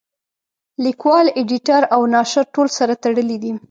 لیکوال اېډیټر او ناشر ټول سره تړلي دي.